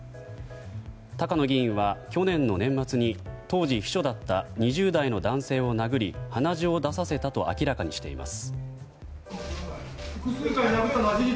高野議員は去年の年末に当時秘書だった２０代の男性を殴り鼻血を出させたと明らかにしています。